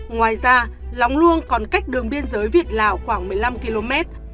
ngoài ra cơ quan cảnh sát điều tra công an tp hcm đã khởi thống vụ án vận chuyển án mở rộng điều tra truy xét